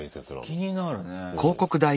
気になるね。